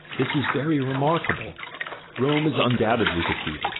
This is very remarkable: Rome is undoubtedly defeated.